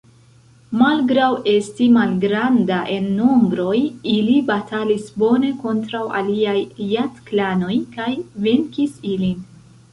Malgraŭ esti malgranda en nombroj, ili batalis bone kontraŭ aliaj Jat-klanoj kaj venkis ilin.